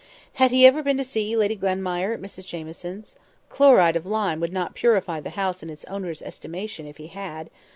Had he ever been to see Lady Glenmire at Mrs Jamieson's? Chloride of lime would not purify the house in its owner's estimation if he had.